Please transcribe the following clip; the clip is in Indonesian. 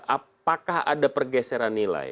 apakah ada pergeseran nilai